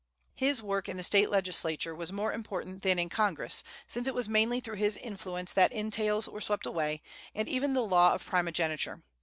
His work in the State legislature was more important than in Congress, since it was mainly through his influence that entails were swept away, and even the law of primogeniture.